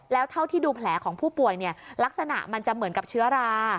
แล้วเท่าที่ดูแผลของผู้ป่วยเนี่ยลักษณะมันจะเหมือนกับเชื้อรา